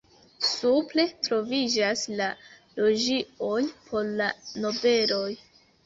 Supre troviĝas la loĝioj por la nobeloj.